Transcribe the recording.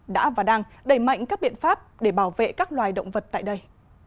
đã và đang đẩy mạnh các biện pháp để bảo vệ các loài động vật tại đây